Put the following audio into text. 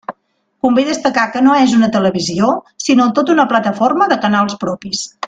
Convé destacar que no és una televisió sinó tota una plataforma de canals propis.